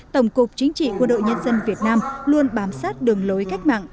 tổng cục chính trị quân đội nhân dân việt nam luôn bám sát đường lối cách mạng